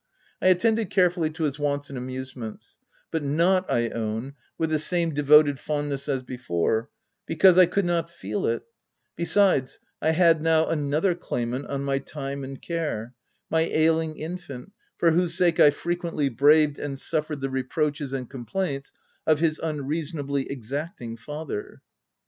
I attended carefully to his wants and amusements, but not, I own, with the same devoted fondness as before, because, I could not feel it : besides, I had now another claimant on my time and care — my ailing infant, for whose sake I fre quently braved and suffered the reproaches and complaints of his unreasonably exacting father.